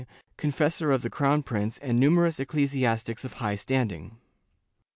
confessor of the crown prince, and numerous ecclesiastics of high standing.